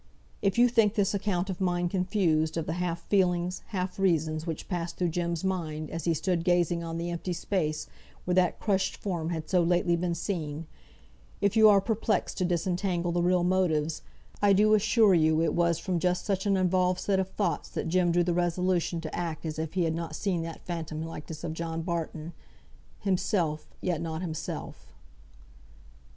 If you think this account of mine confused, of the half feelings, half reasons, which passed through Jem's mind, as he stood gazing at the empty space, where that crushed form had so lately been seen, if you are perplexed to disentangle the real motives, I do assure you it was from just such an involved set of thoughts that Jem drew the resolution to act as if he had not seen that phantom likeness of John Barton; himself, yet not himself.